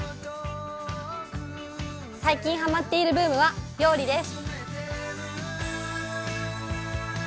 最近ハマっているブームは料理です。